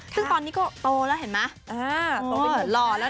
ซึ่งตอนนี้ก็โตแล้วเห็นไหม